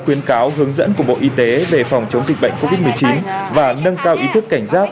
khuyến cáo hướng dẫn của bộ y tế về phòng chống dịch bệnh covid một mươi chín và nâng cao ý thức cảnh giác